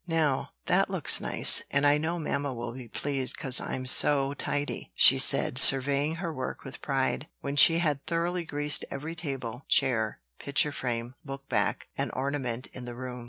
"Now, that looks nice; and I know mamma will be pleased 'cause I'm so tidy," she said, surveying her work with pride, when she had thoroughly greased every table, chair, picture frame, book back, and ornament in the room.